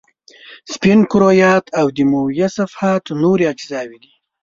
سپین کرویات او دمویه صفحات نورې اجزاوې دي.